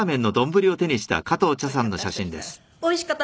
おいしかった？